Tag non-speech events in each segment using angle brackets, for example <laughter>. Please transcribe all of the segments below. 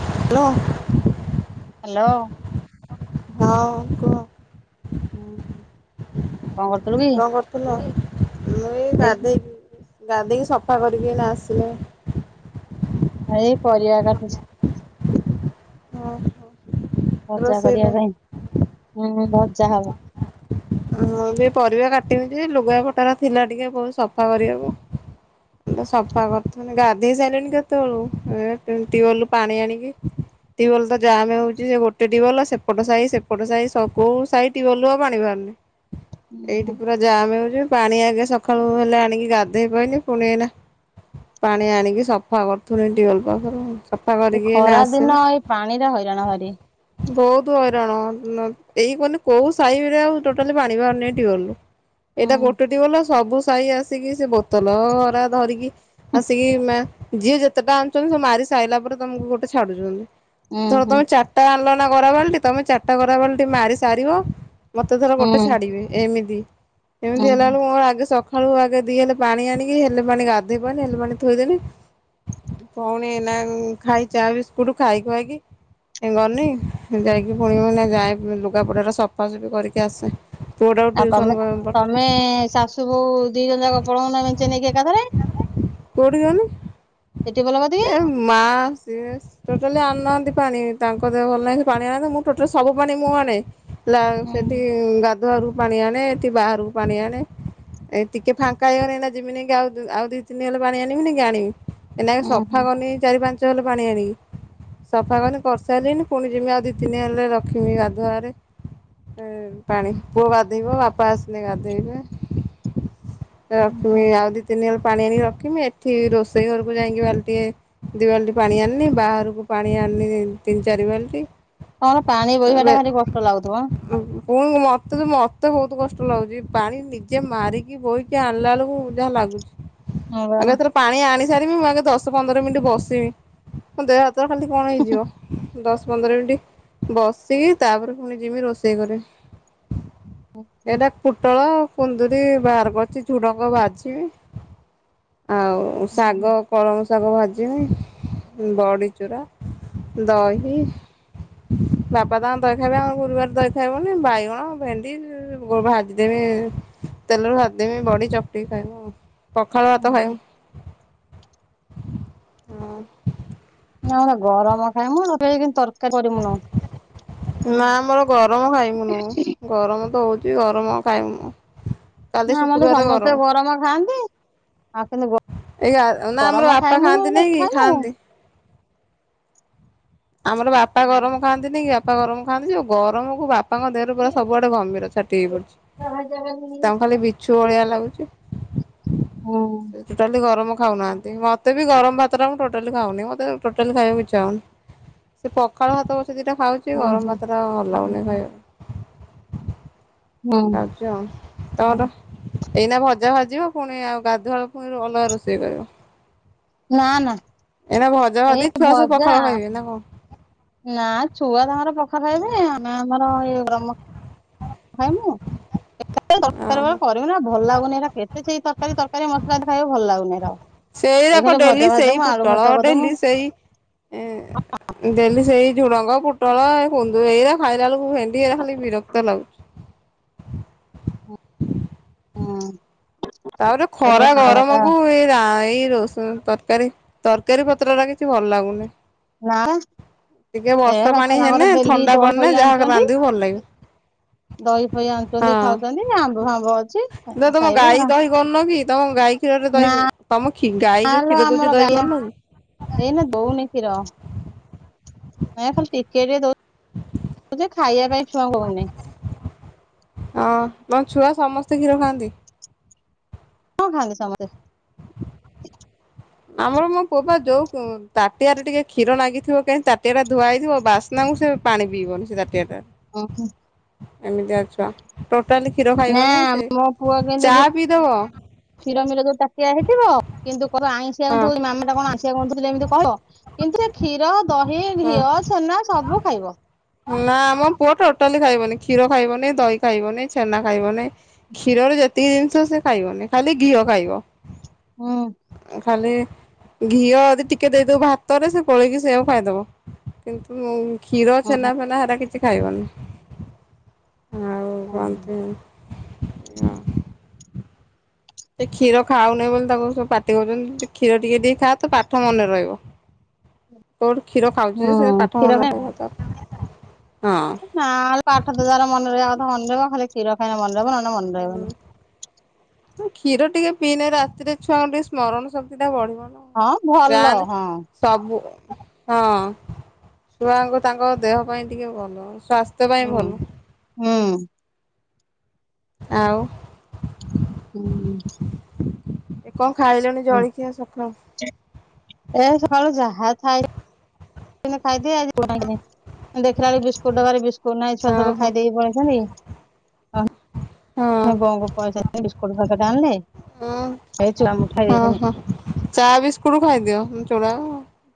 Hello. Hello. ହଁ କୁହ୍? ହୁଁ, କ'ଣ କରୁଥିଲୁ କଣ କି? କରୁଥିଲ? ମୁଁ ଏଇ ଗାଧେଇକି ଗାଧେଇ ସଫା କରିକି ଏଇନା ଆସିଲି। ଏଇ ପରିବା କଟୁଛି। ଓ ହୋ। ଭଜା କରିବା ପାଇଁ ହୁଁ ହୁଁ ଭ ଜା ହବ। ହୁଁ ଏବେ ପରିବା କାଟିିବିକି ଲୁଗାପଟାରା ଥିଲା ଟିକେ ବହୁତ୍ ସଫା କରିବାକୁ। ସଫା କରୁଥିଲି ଗାଧେଇ ସାଇଲିଣି କେତେବେଳୁ। ଏଁ ଟ୍ୟୁ ହୁଁ ଟ୍ୟୁୱଲରୁ ପାଣି ଆଣିକି ଟ୍ୟୁୱଲ୍ ତ ଜାମ୍ ହେଉଛି ଯେ ଗୋଟେ ଟ୍ୟୁୱଲ ସେପଟ ସାହି ସେପଟ ସାହି ସବୁ ସାହି ଟ୍ୟୁୱଲରୁ ଆଉ ପାଣି ବାହାରୁନି। <inaudible> ଏଇଠି ପୁରା ଜାମ୍ ହେଉଛି ପାଣି ଆଗେ ସକାଳୁ ହେଲେ ଆଣିକି ଗାଧେଇ ପାରୁନି। ପୁଣି ଏଇନା ପାଣି ଆଣିକି ସଫା କରୁଥିଲି ଟ୍ୟୁୱଲ ପାଖରେ। ସଫା ଏ କରିକି ଏଇନା ଖରା ଦିନ ଆସିଲି। ଏଇ ପାଣିରେ ହଇରାଣ ଭାରି ବହୁତ ହଇ୍ ରାଣ ନ ଏଇ ମାନେ କୋଉ ସାହିରେ ଆଉ ଟୋଟାଲୀ ପାଣି ବାହାରୁନି ଟ୍ୟୁୱଲରୁ। ହୁଁ। ଏଇଟା ଗୋଟେ ଟ୍ୟୁୱଲ୍ ସବୁ ସାହି ଆସିକି ସେ ବୋତଲ ହରା ଧରିକି ଆସିକି ମେ ଯିଏ ଯେତେଟା ଆଣୁଛନ୍ତି ସବୁ ମାରି ସାଇଲା ପରେ ତମକୁ ଗୋଟେ ଛାଡୁଛନ୍ତି। ହୁଁ ଥର ହୁଁ ତମେ ଚାରିଟା ଆଲନା ଗରା ବାଲ୍ଟି ତ ତମେ ଚାରିଟା ଗରା ବାଲ୍ଟି ମାରି ସାରିବ ମତ୍ ତ ଧର ହୁଁ ଗୋଟେ ଛାଡ଼ିବି ଏମିତି। ହୁଁ ଏମିତି ହେଲା ହୁଁ ବେଳକୁ ମୋର ଆଜି ସକ୍ ସକାଳୁ ଆଗେ ଦିହେଲେ ପାଣି ଆଣିକି ହେଲେ ପାଣି ଗାଧେଇ ପାଣି ହେଲେ ପାଣି ଥୋଇଦେଲି। ଭଉଣୀ ଏଇନା ଖାଇ ଚା ବିସ୍କୁଟୁ ଖାଇ ଖୁଆଇକି ଏ ଗନି ଯାଇକି ପୁଣିି ଗୋଟେ ଯାଏ ଲୁଗାପଟା ଟା ସଫାସଫି କରିକି ଆସେ। ପୁଅଟାକୁ ଆଉ ଟ୍ୟୁସନ୍ ତମେ ତମେ ପଠା ଶାଶୁ ବୋହୂ ଦି ଜଣ ଯାକ ପଳାଉନ ମେଞ୍ଜେ ନେଇକି ଏକାଥରେ। କୋଉଠି ଯବନି? ସେ ଟ୍ୟୁବଲ କତିକି। ଏ ମା ସିଏ ଟୋଟାଲୀ ଆମ ପାଣି ତାଙ୍କ ଦେହ ଭଲ ନାହିଁ। ସେ ପାଣି ଆଣେ ମୁଁ ଟୋଟାଲୀ ସବୁ ପାଣି ମୁଁ ଆଣେ। ଲା ହୁଁ ସେଠି ଗାଧୁଆରୁ ପାଣି ଆଣେ। ଏଠି ବାହାରୁ ପାଣି ଆଣେ। ଏଇ ଟିକେ ଫାଙ୍କା ହେଇଗଲେ ଏଇନା ଯିବି ନେଇକି ଆଉ ଦୁ ଆଉ ଦୁଇ ତିନିଆ ଲୋକ ପାଣି ଆଣିବିନି କି ଆଣିବି। ଏଇନା ଉଁ ହୁଁ ସଫା କରନି ଚାରି ପାଞ୍ଚ ହେଲେ ପାଣି ଆଣିବି। ସଫା କରିନି କରିସାରିଲଣିି। ପୁଣି ଯବି ଆଉ ଦି ତିନିଆ ହେଲେ ରଖିବି ଗାଧୁଆ ଘରେ। ଏ ପାଣି ପୁଅ ଗାଧେଇବ ବାପା ଆସିଲେ ଗାଧେଇବେ। ଏ ଉଁ ହୁଁ ରଖିବି ଆଉ ଦି ତିନି ହଳ ପାଣି ଆଣିକି ରଖ୍ ଖିବି। ଏଠି ରୋଷେଇ ଘରକୁ ଯାଇକି ବାଲ୍ଟିଏ ଦି ବାଲ୍ଟି ପାଣି ଆଣିନି। ବାହାରକୁ ପାଣି ଆଣିନି ତିନ ଚାରି ବାଲ୍ଟି ତମର ପାଣି ଏବେ ବୋହିବାଟା ଭାରି କଷ୍ଟ ଲାଗୁଥିବ ହଁ? ପୁଣି ମତେ ତ ମତେ ବହୁତ କଷ୍ଟ ଲାଗୁଛି ପାଣି ନିଜେ ମାରିକି ବୋହିକି ଆଣିଲା ବେଳକୁ ବୁଝା ଲାଗୁଛି। ହଁ ବା ଆଗେ ଏଥର ପାଣି ଆଣି ସାରିବି ମୁଁ ଆଗେ ଦଶ ପନ୍ଦର ମିନିଟ ବସିବି ମୋ ଦେହ ହାତ ତ ଖାଲି କଣ ହେଇଯିବ ଦଶ ପନ୍ଦର ମିନିଟ୍ ବସିବି ତାପରେ ଫୁଣି ଯିମି ରୋଷ ଷେଇ ଘରେ ଏଇଟା ପୁଟଳ କୁନ୍ଦୁୁରୀ ବାହାରେ ପଡିଚି ଝୁଡଙ୍ଗ ବାଛିବି। ଆଉ ଶାଗ କଳମ ଶାଗ ଭାଜିମି, ବଡ଼ିଚୂରା, ଦହି ବାପା ତାଙ୍କର ଦହି ଖାଇବେ। ଆମ ଗୁରୁବାର ଦହି ଖାଇବୁନି। ବାଇଗଣ, ଭେଣ୍ଡି <unintelligible> ଭାଜିଦେମି। ତେଲରେ ଭାଜିଦେମି ବଡ଼ି ଚକଟି କି ଖାଇବୁ ଆଉ। ପଖାଳ ଭାତ ଓହୋ ଖାଇବୁ ହଁ। ନା ନା ଗରମ ଖାଇମୁ ଟୋଟଲି କିନ୍ତୁ ତରକାରୀ କରିମୁନୁ। ନା ଆମର ଗରମ ଖାଇମୁନୁ ଗରମ ତ ହଉ ଚି ଗରମ ଖାଇମୁ। ନା ଆମର ତ ସମସ୍ତେ ଗରମ ଖାଆନ୍ତି। ଆଉ କିନ୍ତୁ ଏଇ ଆ ନା ଆମର ଗରମ ବାପା ଖାଇମୁ ଖାଆନ୍ତି ନାଇଁ କି ଖାଇମୁ। ଖାଆନ୍ତି। ଆମର ବାପା ହୁଁ ଗରମ ଖାଆନ୍ତିନି କି ବାପା ଗରମ ଖାଆନ୍ତି ଯୋଉ ଗରମକୁ ବାପ ପାଙ୍କ ଦେହରେ ପୁରା ସବୁଆଡେ ଘମିର ଛାଟି ହେଇପଡଛି। ତାଙ୍କୁ ଖାଲି ବିଛୁ ଭଳିଆ ଲାଗୁଛି, ହୁଁ ସେ ଟୋଟାଲି ଗରମ ଖାଉନାହାନ୍ତି ମତେ ବି ଗରମ ଭାତଟା ମୁଁ ଟୋଟାଲି ଖାଉନି ମତେ ଟୋଟାଲି ଖାଇବାକୁ ଇଚ୍ଛା ହଉନି। ସେ ପଖାଳ ଭାତ ପଛେ ଦିଟା ଖାଉଛି ହୁଁ ଗରମ ଭାତଟା ଆଉ ଭଲ ଲାଗୁନି। ଖାଇବାକୁ ହୁଁ ଖାଉଚି ଆଉ। ତମର ଏଇନା ଭଜା ଭାଜିବ ପୁଣି ଆଉ ଗାଧୁଆଳକୁ ପୁଣି ଅଲଗା ରୋଷେଇ କରିବ। ନା ନା ଏଇନା ଭଜା ଭାଜି ଏଇ ଛୁଆ ସବୁ ଭଜା ପଖାଳ ଖାଇବେ ନା କଣ ନା ଛୁଆ ତାଙ୍କର ପଖାଳ ଖାଇବେ, ଆମେ ଆମର ଏଇ ଗରମ ଖାଇମୁ କେତେବେଳେ ଦରକାର ଓହୋ। ବେଳେ କରିବୁ ନା ଆଉ ଭଲ ଲାଗୁନି ହେଇରା କେ ହେଇ ସେଇ ତରକାରୀ ତରକାରୀ ମସଲା ଜିନିଷ ଖାଇବାକୁ ଭଲ ଲାଗୁନି ହେରା ଆଉ। ସେଇ ଯାକ ଡେଲି ସେଇ ପୁଟଳ କରିଦମୁ ଡେଲି ସେଇ ଏଁ ଡେଲି ସେଇ ଝୁଡ଼ଙ୍ଗ, ପୁଟଳ ଏ କୁନ୍ଦୁ ଏଇରା ଖାଇଲା ବେଳକୁ ଭେଣ୍ଡି ଏଇରା ଖାଲି ବିରକ୍ତ ଲାଗୁଛି। ହଁ। ତାପରେ ଖରା ଗରମକୁ ଏଇ ରା ଏଇ ରୋଷ ତ ତରକାରୀ ତରକାରୀ ପତ୍ରଗୁରା କିଛି ଭଲ ଲାଗୁନି। ନାଁ। ଟିକେ ଏ ବର୍ଷା ପାଣି ବାପା ହେନେ ତାଙ୍କର ଡେଲି ଥଣ୍ଡା ଦହି ପଡିନେ ଫହି ଯାହା ଆଣୁଛନ୍ତି। ରାନ୍ଧିବୁ ଭଲ ଲାଗିବ ଦହି ଫହି ଆଣୁଛନ୍ତି ହଁ। ଖାଉଛନ୍ତି ଆମ୍ବ ଫାମ୍ବ ଅଛି ଦ ତମ ଖାଇବେ ଗାଈ ହେରା। ଦହି କରୁନ କି? ତମ ଗାଈ କ୍ଷୀରରେ ଦହି ତମ ଖି ଗାଈ ନା ଯୋଉ ଲୋ କ୍ଷୀର ଦଉଛି ଆମର ଦହି ଗ୍ବାଲା କରୁନ କି? ଏଇନେ ଦଉନି କ୍ଷୀର। ନାଇଁ ବା ଖାଲି ଟିକେ ଟିକେ ଦଉ। ହଁ ଯେ ଖାଇବା ପାଇଁ ଛୁଆଙ୍କୁ ହଉନେଇ। ହଁ ମୋ ଛୁଆ ସମସ୍ତେ କ୍ଷୀର ଖାଆନ୍ତି। କଣ ଖାଆନ୍ତି ସମତେ? ଆମର ମୋ ପୁଅ ବା ଯୋଉ ଉଁ ତାଟିଆରେ ଟିକେ କ୍ଷୀର ନାଗିଥିବ କାହିଁ ତାଟିଆଟା ଧୁଆହେଇଥିବ ବାସ୍ନା ସେ ପାଣି ପିଇବନି ସେ ତାଟିଆ ଟାରେ। ଓହୋ। ଏମିତିଆ ଛୁଆ ଟୋଟାଲି କ୍ଷୀର ନା ଖାଇବ ନାହିଁ। ସେ ମୋ ପୁଅ କିନ୍ତୁ ଚା ଯୋଉ ପିଇଦବ କ୍ଷୀର ମିର ଯୋଉ ତାଟିଆ ହେଇଥିବ କିନ୍ତୁ କହିବ ଆଇଁଶିଆ ହଁ ଗନ୍ଧୋଉଛି, ମାମା ଏଇଟା କଣ ଆଇଁଶିଆ ଗନ୍ଧୋଉଚି ଏମିତି କହିବ, କିନ୍ତୁ ଏ କ୍ଷୀର ଦହି, ହଁ। ଘିଅ, ଛେନା ସବୁ ଖାଇବ। ନା ଆମ ପୁଅ ଟୋଟାଲି ଖାଇବନି। କ୍ଷୀର ଖାଇବନି, ଦହି ଖାଇବନି, ଛେନା ଖାଇବନି, କ୍ଷୀର ର ଯେତିକି ଜିନିଷ ସେ ଖାଇବନି ଖାଲି ଘିଅ ଖାଇବ। ହୁଁ ଖାଲି ଘିଅ ଯଦି ଟିକେ ଦେଇଦବୁ ଭାତରେ ସେ ଗୋଳେଇକି ସେଇଆକୁ ଖାଇଦବ, କିନ୍ତୁ କ୍ଷୀର ଛେନା ହୁଁ ଫେନା ହେରା କିଛି ଖାଇବନି। ଆଉ ହୁଁ। କହନ୍ତି ସେ କ୍ଷୀର ଖାଉନି ବୋଲି ତାଙ୍କୁ ସବୁ ପାଟି କରୁଛନ୍ତି। ତୁ କ୍ଷୀର ଟିକେ ଟିକେ ଖାଆ ତୋ ପାଠ ମନେ ରହିବ। କୋଉଠୁ କ୍ଷୀର ଖାଉଛି ଯେ ହୁଁ ସେ ପାଠ କ୍ଷୀର ମନ ଖାଏ ରହିବ ତାର। ହଁ। ନା ପାଠ ତ ଯାର ମନ ରହିଆ କଥା ମନେ ରହିବ ଖାଲି କ୍ଷୀର ଖାଇଲେ ମନେରହିବ ନ ହେଲେ ମନେ ରହିବନି। କ୍ଷୀର ଟିକେ ପିଇନେ ରାତିରେ ଛୁଆଙ୍କୁ ଟିକେ ସ୍ମରଣ ଶକ୍ତିଟା ବଢିବ। ହଁ ଭଲ ଗାଁନ ହଁ ସବୁ। ହଁ ଛୁଆଙ୍କୁ ତାଙ୍କ ଦେହ ପାଇଁ ଟିକେ ଭଲ। ସ୍ୱାସ୍ଥ୍ୟ ପାଇଁ ହୁଁ ଭଲ। ହୁଁ ଆଉ। ହୁ <unintelligible> କ ଏ ସଳୁ ଯାହା ଥାଏ। ସେନ୍ତି ଖାଇଦିଏ ମୁଁ ଦେଖିଲା ବେଳକୁ ବିସ୍କୁଟ ଡବା ରେ ବିସ୍କୁଟ କୁହନା ଏ ଛୁଆ ହଁ ସବୁ ହଁ ଖାଇଦେଇକି ପଳେଇଛନ୍ତି, ଅ ହଁ ମୁଁ ବୋଉଙ୍କୁ ପଇସା ଦେଲି ବିସ୍କୁଟ ପ୍ୟାକେଟ ଉଁ ଆଣିଲେ ଏ ଚୁଆ ମୁଠା ହଁ ଦେଇକିନି ହଁ ଚା ବିସ୍କୁଟ ଖାଇଦିଅ ଚୁଡ଼ା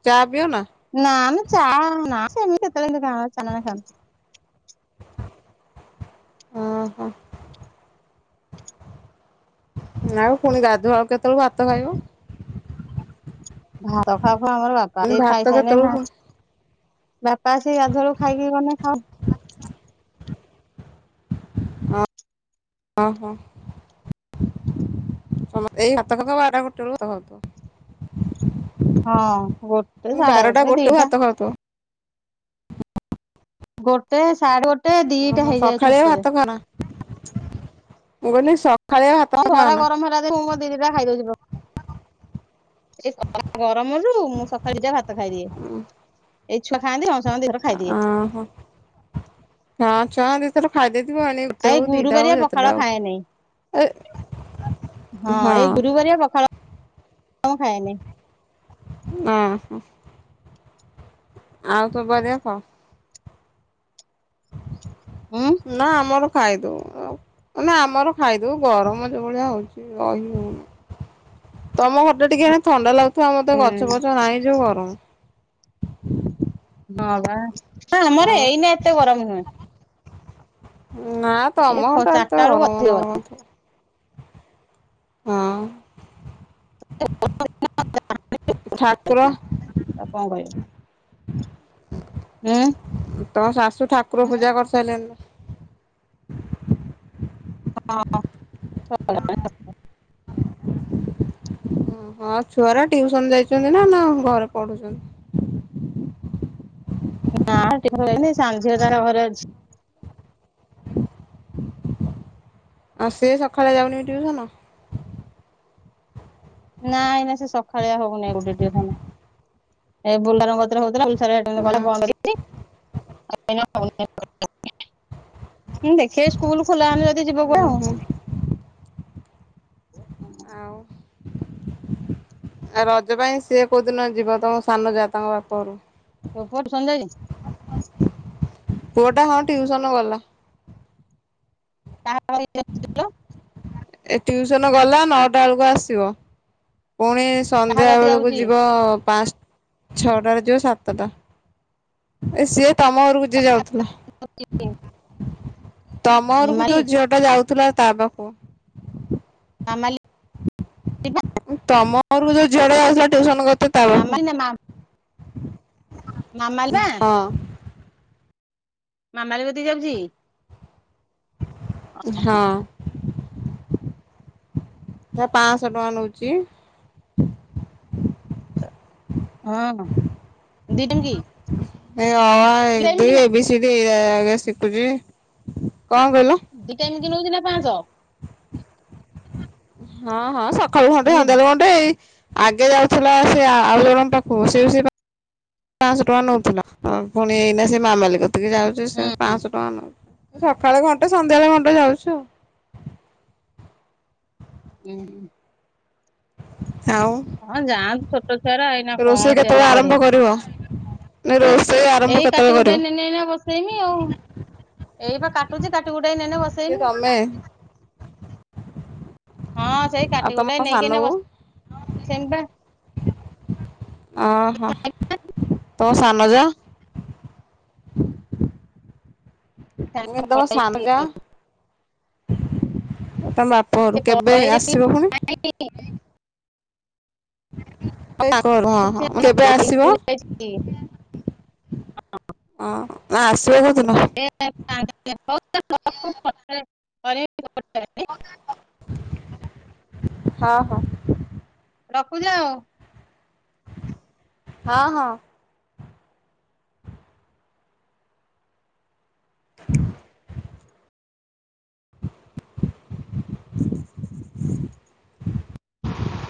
ଚା ପିଅ ନା? ନା ମ ଚା ନା ସେମିତି କେତେବେଳେ କେନ୍ତି ଖାଉ, ଚା ନହେଲେ ଖାଉନୁ। ଓ ହୋ। ଆଉ ପୁଣି ଗାଧୁଆ ବେଳକୁ କେତେବେଳକୁ ଭାତ ଖାଇବ? ଭାତ ଖାଉ ଖାଉ ଆମର ବାପା ପୁଣି ସେ ଭାତ ଖାଇ ସାରିଲେ ଯା କେତେବେଳକୁ ପୁଣି ବାପା ଆସିକି ଗାଧୁଆ ବେଳକୁ ଖାଇକି ଗଲେ ଖାଉ। ଓହୋ। ସମସ୍ତେ ଏଇ ଭାତଟା ତ ବାରଟା ଗୋଟେ ବେଳକୁ ଭାତ ଖାଉଥିବ। ହଁ ଗୋଟେ ମୁଁ ସାଢେ ବାରଟା ଗୋଟେ ବେଳକୁ ଦିଟା ଭାତ ଖାଉଥିବ। ଗୋଟେ ସାଢେ ଗୋ ଓହୋ ସଖାଳିଆ ଭାତ ଖାଅନା, ମୁଁ କହିଲି ସ ହଁ ଖରା ଗରମ ହେଲା ଦିନୁ ମୁଁ ମୋର ଦି ଦିଟା ଖାଇ ଦଉଚି ପଖାଳ। ଏ ଖରା ଗରମରୁ ମୁଁ ସକାଳ ଦିଟା ଭାତ ଖାଇଦିଏ। ଏଇ ଛୁଆ ଖାଆନ୍ତିି ତାଙ୍କ ସାଙ୍ଗରେ ଦିଥର ଖାଇଦିଏ। ଓହୋ ହଁ ଛୁଆଙ୍କୁ ଦିଥର ଖାଇଦେଇଥିବ ଏଣିକି ଗୋଟେ ଖାଏ ହଉ ଦିଟା ହଉ ଗୁରୁବାରିଆ ଯେତେଟା ପଖାଳ ହଉ। ଖାଏନେଇ। ଏ ହଁ ଏଇ ଗୁରୁବାରିଆ ପଖାଳ ଖାଏନି। ଓ ହଁ। ଆଉ ସବୁ ବାରିଆ ଖାଉ। ଉଁ ନା ଆମର ଖାଇଦଉ ଆଉ ଆମର ଖାଇଦଉ ଗରମ ଯୋଉଭଳିଆ ହଉଛି ରହି ହଉନି। ତମ ଘରଟା ଟିକେ ହେଲେ ଥଣ୍ଡା ଲାଗୁ ଥିବ ଆମର ତ ଗଛ ଫଛ ନାହିଁ ଯୋଉ ଗରମ। ହଁ ବା ଆମର ଆଉ ଏଇନା ଏତେ ଗରମ ନୁହେଁ। ନା ତମ ଏ ଘରଟା ଏତେ ଚାରିଟା ବେଳକୁ ଗରମ ଅଧିକ ନୁହଁ। ହଁ। ଏ ଗରମ ଦିନ <unintelligible> ଠାକୁର କଣ କରିବ ଉଁ ତମ ଶାଶୁ ଠାକୁର ପୂଜା କରି ସାରିଲେଣି। ହଁ <unintelligible> ଅ ହ ଛୁଆରା ଟିଉସନ ଯାଇଛନ୍ତି ନା-ନା ଘରେ ପଢୁଛନ୍ତି? ନା ଟିଉସନ ଯାଇଛନ୍ତି ଏହି ସାନ ଝିଅ ତାର ଘରେ ଅଛି। ଆଉ ସିଏ ସକାଳେ ଯାଉନି କି ଟିଉସନ? ନାଇଁ-ନାଁଇ ସେ ସଖାଳିଆ ହଉନି ଗୋଟେ ଟିଉସନ ଏହି <unintelligible> <unintelligible> ନା <unintelligible> ଦେଖିବେ ସ୍କୁଲ ଖୋଲା ହେଲେ କେତେ ଯିବ <unintelligible> ଆଉ ଓହୋ ହୁଁ। ଆ ରଜ ପାଇଁ ସିଏ କୋଉ ଦିନ ଯିବ ତମ ସାନ ଯା ତାଙ୍କ ବାପଘରକୁ? <unintelligible> ପୁଅ ଟା ହଁ ଟିଉସନ ଗଲା। କା <unintelligible> ଏ ଟିଉସନ ଗଲା ନଅଟା ବେଳକୁ ଆସିବ। ପୁଣି କାହା ସନ୍ଧ୍ୟା କତିକି ବେଳକୁ ଯାଉଛି ଯିବ ପାଞ୍ଚ ଛଅଟାରେ ଯିବ ସାତଟା ଏ ସିଏ ତମ ଘରକୁ ଯିଏ ଯାଉଥିଲା। ତମ ଘରକୁ ମାମାଲି ଯୋଉ ଝିଅ ଟା ଯାଉଥିଲା ତା ପାଖକୁ ମାମାଲି ତମ ଘରକୁ ଯୋଉ ଝିଅ ଟା ଯାଉଥିଲା ଟିଉସନ କରୁଥିଲା ତା ପାଖକୁ ମାମାଲି ନା ମା ହଁ। ମାମାଲି କତିକି ଯାଉଛି ଓ ହୋ। ହଁ। ସେ ପାଁଶହ ଟଙ୍କା ନଉଛି। ହଁ, ଦି ଟାଇମ୍ କି? ଏଇ ଅ ଆ ଦି ଟାଇମ ଏବେ କି ଏ ନା ବି ସି ଡି ଶିଖୁଛି। ଦି ଟାଇମ୍ ଦିନକୁ ଦିନେ ପାଁଶହ। ହଁ-ହଁ ସକାଳୁ ଘଣ୍ଟେ ମାନେ ସନ୍ଧ୍ୟାବେଳୁ ଘଣ୍ଟେ ଏଇ ଆଗେ ଯାଉଥିଲା ସେ ଆଉ ଜଣଙ୍କ ପାଖକୁ ସେ-ସେ ପାଁଶହ ଟଙ୍କା ନେଉଥିଲା ପୁଣି ଏଇନା ସେ ମାମାଲି କତିକି ଯାଉଛି ସେ ହୁଁ। ପାଁଶହ ଟଙ୍କା ନଉ ସକାଳେ ଘଣ୍ଟେ ସନ୍ଧ୍ୟାବେଳେ ଘଣ୍ଟେ ଯାଉଛୁ। ଉଁ ହୁଁ। ଆଉ ହଁ ଯାଆନ୍ତୁ ଛୋଟ ଛୁଆର ଏଇନା ରୋଷେଇ କଣ ସେଆକୁ କେତେବେଳେ ଆରମ୍ଭ ପଢିବେ। କରିବ? ନା ରୋଷେଇ ଆରମ୍ଭ ଏଇ କେତେବେଳେ କାଟି କୁ କରିବ? <unintelligible> ବସେଇନି ଆଉ। ଏଇ ବା କାଟୁଛି କାଟିକୁଟେଇ ନେଇନି କିଏ ବସେଇନି। ତମେ ହଁ ସେଇ ଆଉ ତମ କାଟିକୁୁଟେଇ ସାନ ନେଇକି ବୋଉ? ବସ ସେ <unintelligible> ତୋ ସାନ ଯା? ମୁଁ କହିଲି ତମ ସାନ ଯା? ତମ ସେ ବାପଘରୁ କେବେ ପଳେଇଛି କି ଆସିବ ପୁଣି? ହଁ-ହଁ କେବେ ଆସିବ? ହଁ ନା ଆସିବ କୋଉଦିନ? ହ <unintelligible> <unintelligible> ହଁ ହଁ ରଖୁଛି ଆଉ। ହଁ-ହଁ। ଆ